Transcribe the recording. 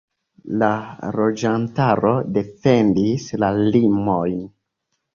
La loĝantaro defendis la limojn.